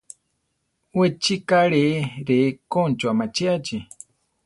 We chi karee re Koncho amachíachi.